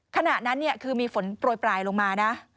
ขณะนั้นคือมีฝนโปรยปลายลงมานะ